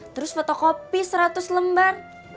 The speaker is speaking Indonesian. terus fotokopi seratus lembar